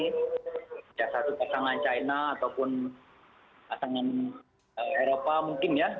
satu pasangan china ataupun pasangan eropa mungkin ya